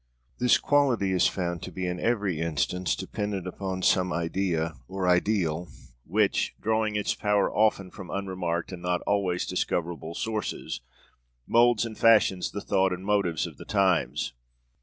This quality is found to be in every instance dependent upon some idea or ideal which, drawing its power often from unremarked and not always discoverable sources, moulds and fashions the thought and motives of the times.